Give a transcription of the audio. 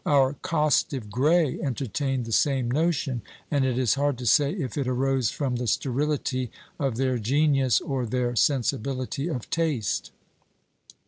Our "costive" Gray entertained the same notion: and it is hard to say if it arose from the sterility of their genius, or their sensibility of taste.